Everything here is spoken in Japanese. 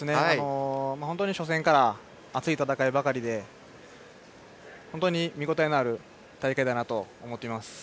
初戦から熱い戦いばかりで本当に見応えのある大会だと思っています。